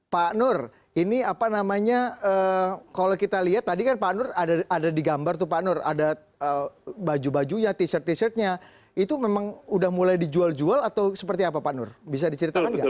pak nur ini apa namanya kalau kita lihat tadi kan pak nur ada di gambar tuh pak nur ada baju bajunya t shirt t shirtnya itu memang udah mulai dijual jual atau seperti apa pak nur bisa diceritakan nggak